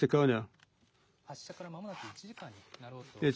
たかのさん、発射からまもなく１時間になろうとしています。